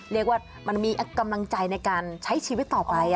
เรียกว่ามันมีกำลังใจในการใช้ชีวิตต่อไป